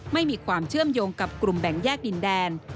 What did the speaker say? ไม่มีความเชื่อมโยงกับกลุ่มแบ่งแยกดินแดน